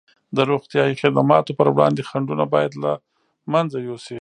د روغتیايي خدماتو پر وړاندې خنډونه باید له منځه یوسي.